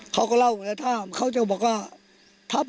เขาก็เล่ามาแล้วถ้า